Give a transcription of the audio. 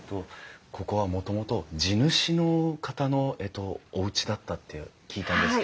ここはもともと地主の方のえっとおうちだったって聞いたんですけれども。